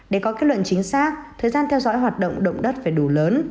để có kết luận chính xác thời gian theo dõi hoạt động động đất phải đủ lớn